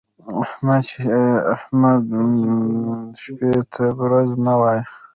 احمده! شپې ته ورځ مه وايه.